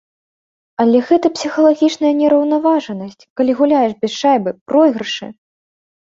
Але гэта псіхалагічная неўраўнаважанасць, калі гуляеш без шайбы, пройгрышы!